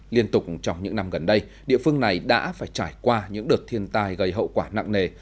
liên tục trong những năm gần đây địa phương này đã phải trải qua những đợt thiên tai gây hậu quả nặng nề